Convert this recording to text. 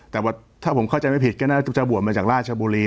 แต่ว่าถ้าผมเข้าใจไม่ผิดก็น่าจะบวชมาจากราชบุรี